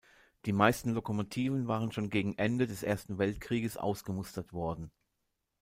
Die meisten Lokomotiven waren schon gegen Ende des Ersten Weltkrieges ausgemustert worden.